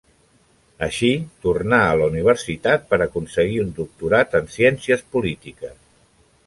Així tornà a la universitat per aconseguir un Doctorat en Ciències polítiques.